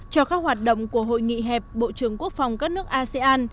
cho các hoạt động của hội nghị hẹp bộ trưởng quốc phòng các nước asean